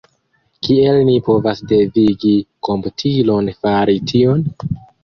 Kiel ni povas devigi komputilon fari tion?